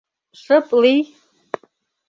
Шып лий!..